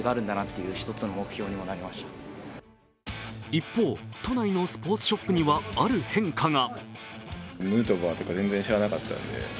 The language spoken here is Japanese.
一方、都内のスポーツショップにはある変化が。